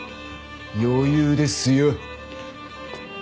余裕ですよ。